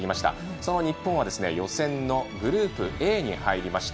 その日本は予選のグループＡに入りました。